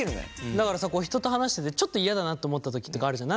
だからさ人と話しててちょっと嫌だなと思った時あるじゃん。